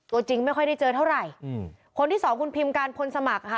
ตัวจริงไม่ค่อยได้เจอเท่าไหร่อืมคนที่สองคุณพิมการพลสมัครค่ะ